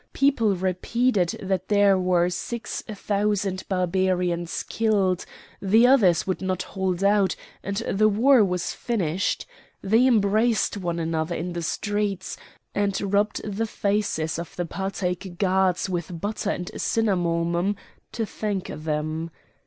People repeated that there were six thousand Barbarians killed; the others would not hold out, and the war was finished; they embraced one another in the streets, and rubbed the faces of the Patæc Gods with butter and cinnamomum to thank them.